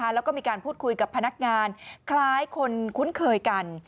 แล้วก็มีการพูดคุยกับพนักงานคล้ายคนคุ้นเคยกัน